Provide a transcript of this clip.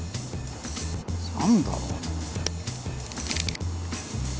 何だろうね。